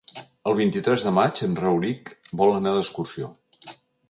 El vint-i-tres de maig en Rauric vol anar d'excursió.